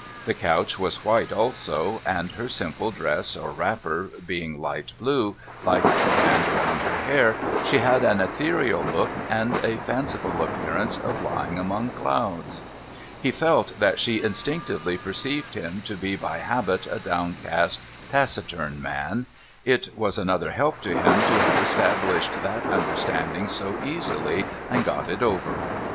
The couch was white too ; and her simple dress or wrapper being light blue, like the band around her hair, she had an ethereal look, and a fanciful appearance of lying among clouds. He felt that she instinctively perceived him to be by habit a down cast, taciturn man ; it was another help to him to have established that understanding so easily, and got it over.